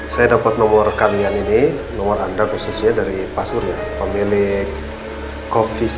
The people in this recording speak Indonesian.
saya dapat nomor kalian ini nomor anda khususnya dari pak surya pemilik kopi